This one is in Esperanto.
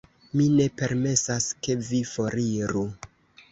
Mi ne permesas, ke vi foriru.